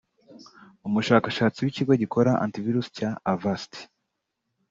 umushakashatsi w’ikigo gikora Antivirus cya Avast